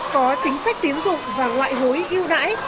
có chính sách tiến dụng và ngoại hối yêu đãi